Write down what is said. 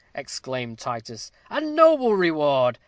exclaimed Titus, "a noble reward!